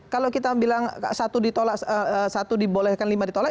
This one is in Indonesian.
kalau kita bilang satu dibolehkan lima ditolak